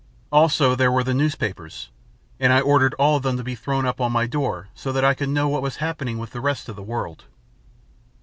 Also, there were the newspapers, and I ordered all of them to be thrown up to my door so that I could know what was happening with the rest of the world.